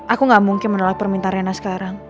aku gak mungkin menolak permintaan rena sekarang